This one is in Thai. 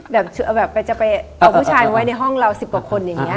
แบบจะไปเอาผู้ชายมาไว้ในห้องเรา๑๐กว่าคนอย่างนี้